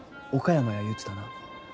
岡山や言うてたな？